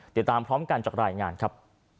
ติดตามพร้อมกันจากรายงานครับ